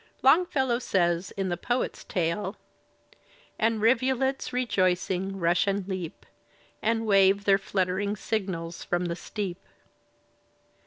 Longfellow says in "The Poet's Tale": And rivulets, rejoicing, rush and leap And wave their fluttering signals from the steep.